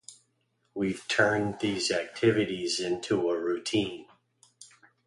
We've turned these activities into a routine.